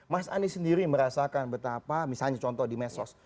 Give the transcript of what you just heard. mas anies sendiri merasakan betapa misalnya contoh di mesos